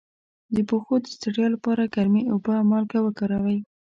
د پښو د ستړیا لپاره ګرمې اوبه او مالګه وکاروئ